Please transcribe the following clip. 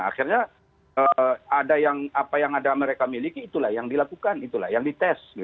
akhirnya apa yang ada mereka miliki itulah yang dilakukan itulah yang dites